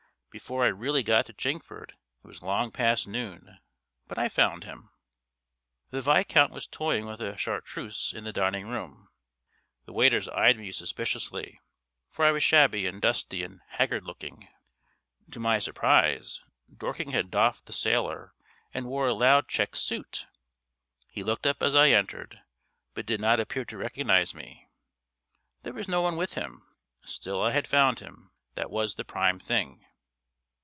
Before I really got to Chingford it was long past noon. But I found him. The Viscount was toying with a Chartreuse in the dining room. The waiters eyed me suspiciously, for I was shabby and dusty and haggard looking. To my surprise Dorking had doffed the sailor, and wore a loud checked suit! He looked up as I entered, but did not appear to recognise me. There was no one with him. Still I had found him. That was the prime thing.